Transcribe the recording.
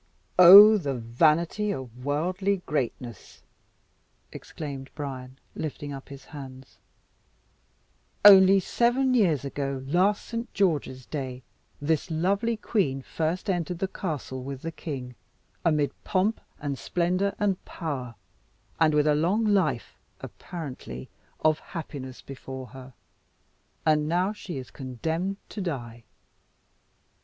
"Oh, the vanity of worldly greatness!" exclaimed Bryan, lifting up his hands. "Only seven years ago, last Saint George's Day, this lovely queen first entered the castle with the king, amid pomp and splendour and power, and with a long life apparently of happiness before her. And now she is condemned to die."